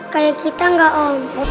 kayak kita gak om